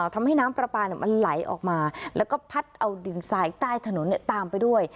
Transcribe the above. ทำให้น้ำปลาปลามันไหลออกมาแล้วก็พัดเอาดินทรายใต้ถนนตามไปด้วย